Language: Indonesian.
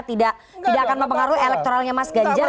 tidak akan mempengaruhi elektoralnya mas ganjar